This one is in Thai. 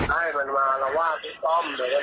หรือว่าพี่ซองเดี๋ยวเราเจอกันกันละให้ทำไง